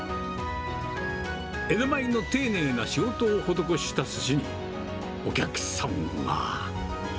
江戸前の丁寧な仕事を施したすしに、お客さんは。